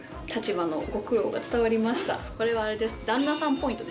これはあれです。